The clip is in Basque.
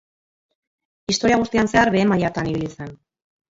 Historia guztian zehar behe mailatan ibili zen.